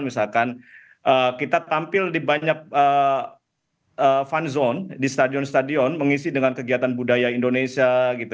misalkan kita tampil di banyak fun zone di stadion stadion mengisi dengan kegiatan budaya indonesia gitu